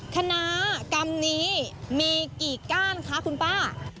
คณะกรรมนี้มีกี่ก้านคะคุณป้า